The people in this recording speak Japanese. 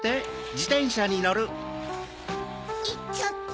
いっちゃった。